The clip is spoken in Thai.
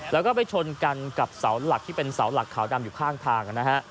แล้วก็ไปชนกันกับเสาหลักที่เป็นเสาหลักขาวดำอยู่ข้างทางนะฮะ